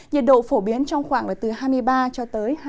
nhiệt độ phổ biến trong khoảng là từ hai mươi ba hai mươi sáu độ